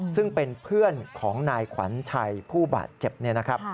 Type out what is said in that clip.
ซึ่งเป็นเพื่อนของนายขวัญชัยผู้บาดเจ็บเนี่ยนะครับ